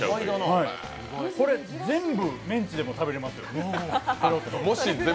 全部メンチでも食べれますよ。